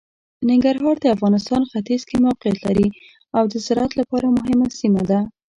ننګرهار د افغانستان ختیځ کې موقعیت لري او د زراعت لپاره مهمه سیمه ده.